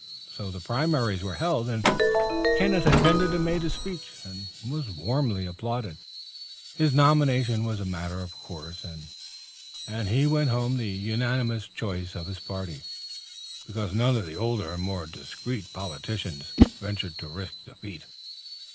So the primaries were held and Kenneth attended and made a speech, and was warmly applauded. His nomination was a matter of course, and he went home the unanimous choice of his party, because none of the older and more discreet politicians ventured to risk defeat.